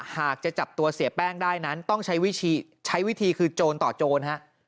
หากจะจับตัวเสียแป้งได้นั้นต้องใช้วิธีคือโจรต่อโจรฮะ